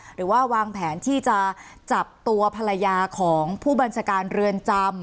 หรือว่าวางแผนที่จะจับตัวภรรยาของผู้บัญชาการเรือนจำ